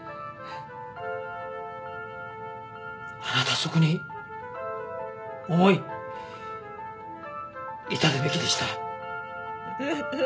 あなたはそこに思い至るべきでした。